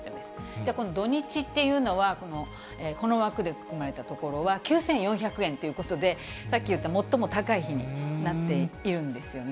じゃあ今度土日っていうのはこの枠で囲まれたところは、９４００円ということで、さっき言った最も高い日になっているんですよね。